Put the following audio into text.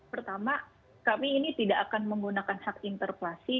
pertama kami ini tidak akan menggunakan hak interpelasi